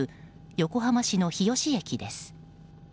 横浜市の日吉駅です。